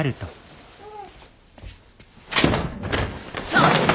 ちょっと！